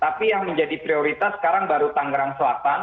tapi yang menjadi prioritas sekarang baru tangerang selatan